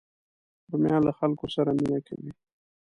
رومیان له خلکو سره مینه کوي